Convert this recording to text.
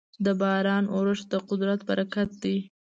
د باران اورښت د قدرت برکت دی.